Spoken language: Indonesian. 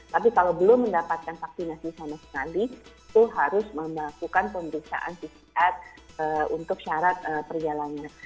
tapi kalau belum mendapatkan vaksinasi sama sekali itu harus melakukan pemeriksaan pcr untuk syarat perjalanan